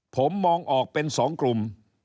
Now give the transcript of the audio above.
ผมมองออกเป็น๒กลุ่ม